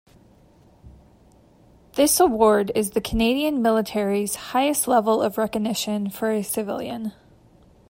This award is the Canadian military's highest level of recognition for a civilian.